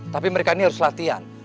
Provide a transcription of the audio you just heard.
tapi mereka ini harus latihan